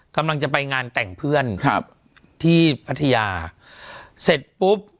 กำลังจะไปงานแต่งเพื่อนครับที่พัทยาเสร็จปุ๊บ